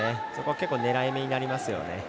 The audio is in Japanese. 結構狙い目になりますよね。